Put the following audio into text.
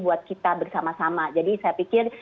buat kita bersama sama jadi saya pikir